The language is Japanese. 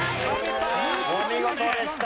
お見事でした。